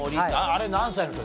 あれ何歳の時？